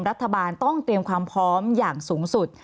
รัฐบาลต้องเตรียมความพร้อมอย่างสูงสุด